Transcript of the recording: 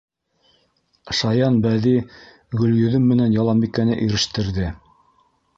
Шаян Бәҙи Гөлйөҙөм менән Яланбикәне ирештерҙе: